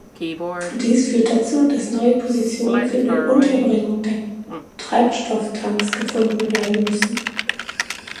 Dies führt dazu, dass neue Positionen für die Unterbringung der Treibstofftanks gefunden werden müssen.